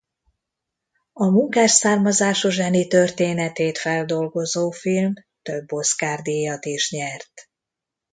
A munkás származású zseni történetét feldolgozó film több Oscar-díjat is nyert.